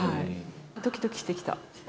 ドキドキしてきた。